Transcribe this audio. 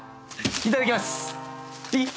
いただきます！